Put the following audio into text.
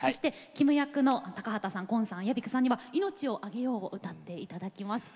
キム役の高畑さん、昆さん屋比久さんには「命をあげよう」を歌っていただきます。